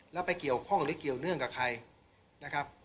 แล้วไปเกี่ยวข้องหรือเกี่ยวเนื่องกับใครนะครับ